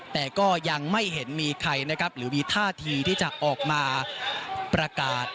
แต่ก็ยังไม่เห็นมีใครนะครับหรือมีท่าทีที่จะออกมาประกาศ